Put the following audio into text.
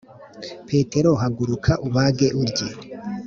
Petero haguruka ubage urye